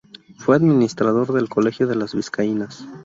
Fue administrador del Colegio de las Vizcaínas.